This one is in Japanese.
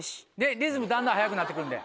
リズムだんだん速くなってくるんで。